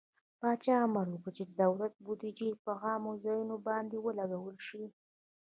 پاچا امر وکړ چې د دولت بودجې د په عامه ځايونو باندې ولګول شي.